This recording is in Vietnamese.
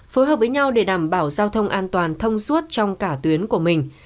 phối hợp với nhau để đảm bảo giao thông an toàn thông suốt trong cả tuyến của mình